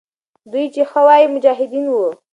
دوی چې ښه وایي، مجاهدین وو.